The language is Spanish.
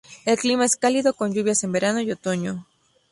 El clima es cálido, con lluvias en verano y otoño.